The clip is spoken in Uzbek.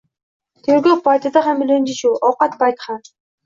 Tergov paytida ham ilinji shu. Ovqat payti ham.